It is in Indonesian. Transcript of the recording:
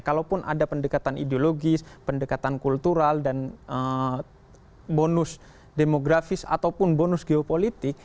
kalaupun ada pendekatan ideologis pendekatan kultural dan bonus demografis ataupun bonus geopolitik